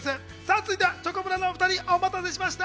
続いてチョコプラの２人、お待たせしました！